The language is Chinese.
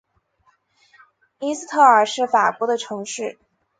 伊斯特尔是法国的城市。